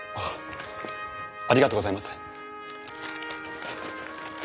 ありがとうございます。